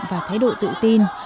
và thái độ tự tin